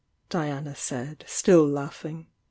Diana said, still laughing.